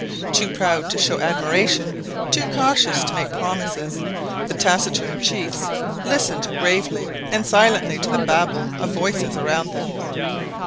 Too proud to show admiration, too cautious to make promises, the taciturn chiefs listened gravely and silently to the babel of voices around them.